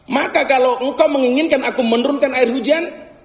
maka kalau engkau menginginkan aku menurunkan air hujan